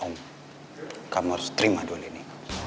menurut om kamu harus terima aduan ini